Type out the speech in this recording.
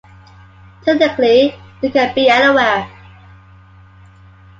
Technically, they can be anywhere.